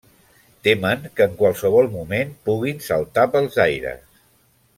Temen que en qualsevol moment puguin saltar pels aires.